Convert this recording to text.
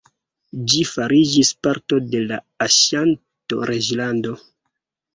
Ĝi fariĝis parto de la Aŝanto-Reĝlando.